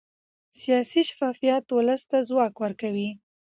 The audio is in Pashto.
سیاسي شفافیت ولس ته ځواک ورکوي